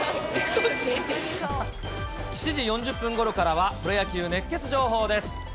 ７時４０分ごろからは、プロ野球熱ケツ情報です。